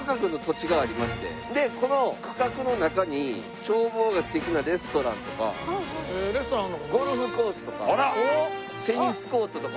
この区画の中に眺望が素敵なレストランとかゴルフコースとかテニスコートとか。